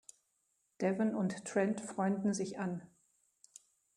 Devon und Trent freunden sich an.